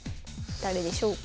誰でしょうか。